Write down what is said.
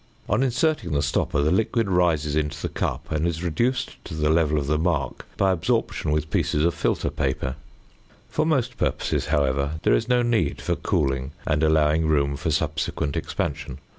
On inserting the stopper, the liquid rises into the cup, and is reduced to the level of the mark by absorption with pieces of filter paper. [Illustration: FIG. 36.] For most purposes, however, there is no need for cooling and allowing room for subsequent expansion.